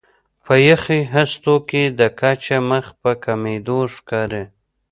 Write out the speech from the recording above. په یخي هستو کې د کچه مخ په کمېدو ښکاري.